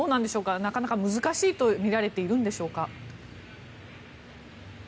なかなか難しいとみられているんでしょうか。